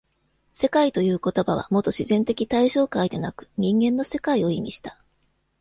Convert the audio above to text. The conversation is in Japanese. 「世界」という言葉はもと自然的対象界でなく人間の世界を意味した。